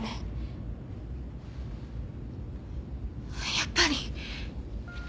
やっぱり。